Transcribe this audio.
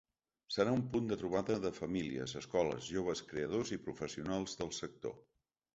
Serà un punt de trobada de famílies, escoles, joves creadors i professionals del sector.